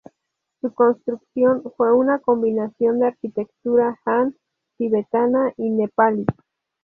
Su construcción fue una combinación de arquitectura Han, tibetana y nepalí.